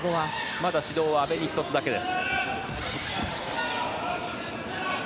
まだ指導は阿部に１つだけです。